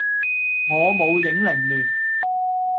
我舞影零亂。